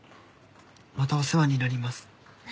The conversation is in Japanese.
またお世話になります。